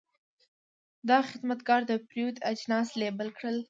دا خدمتګر د پیرود اجناس لیبل کړل.